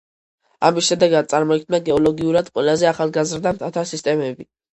ამის შედეგად წარმოიქმნა გეოლოგიურად ყველაზე ახალგაზრდა მთათა სისტემები.